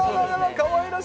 かわいらしい。